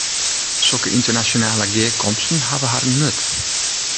Sokke ynternasjonale gearkomsten hawwe harren nut.